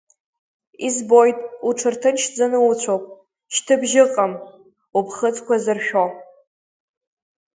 Избоит, уҽырҭынчӡаны уцәоуп, шьҭыбжь ыҟам, уԥхыӡқәа зыршәо.